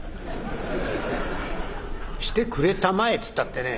「してくれたまえつったってね